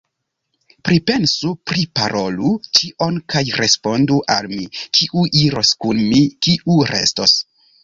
Pripensu, priparolu ĉion kaj respondu al mi, kiu iros kun mi, kiu restos.